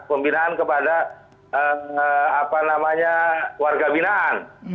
pembinaan kepada warga binaan